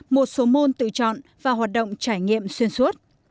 một số môn tự chọn và hoạt động trải nghiệm xuyên suốt